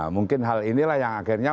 mungkin hal inilah yang akhirnya